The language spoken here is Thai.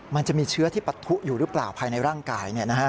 มันจะมีเชื้อที่ปะทุอยู่หรือเปล่าภายในร่างกาย